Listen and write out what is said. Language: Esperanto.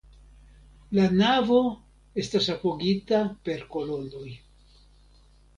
La navo estas apogita per kolonoj.